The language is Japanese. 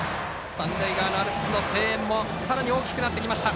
三塁側のアルプスの声援もさらに大きくなりました。